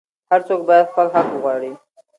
هر څوک باید خپل حق وغواړي.